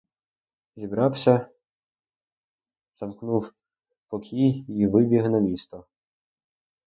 Зібрався, замкнув покій і вибіг на місто.